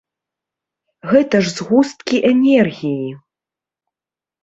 Гэта ж згусткі энергіі!